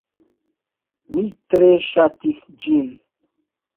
Mi tre ŝatis ĝin